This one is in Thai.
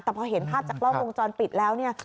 แต่พอเห็นภาพจากกล้องวงจรปิดแล้วเนี่ย